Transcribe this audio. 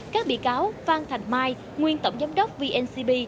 các bị cáo phan thành mai nguyên tổng giám đốc vncb